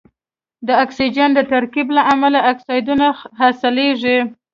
د اکسیجن د ترکیب له امله اکسایدونه حاصلیږي.